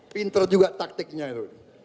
pinter juga taktiknya itu